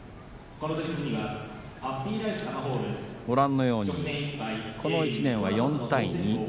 ご覧のようにこの１年は４対２。